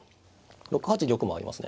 ６八玉もありますね。